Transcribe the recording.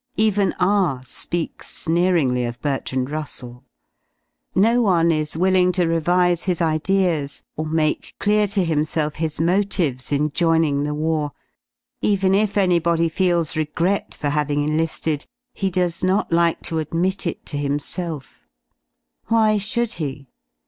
Even R speaks sneeringly of Bertrand Russell; no one is willing to revise his ideas or make clear to himself his motives in joining the war; even if anybody feels regret for having enli^ed, he does not like to admit it to himself Why should he?